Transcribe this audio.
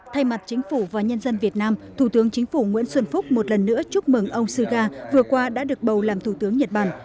thay mặt chính phủ và nhân dân việt nam thủ tướng chính phủ nguyễn xuân phúc một lần nữa chúc mừng ông suga vừa qua đã được bầu làm thủ tướng nhật bản